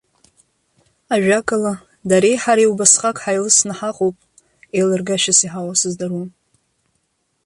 Ажәакала, дареи ҳареи убасҟак ҳаилысны ҳаҟоуп, еилыргашьас иҳауа сыздыруам.